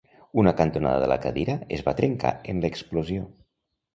Una cantonada de la cadira es va trencar en l'explosió.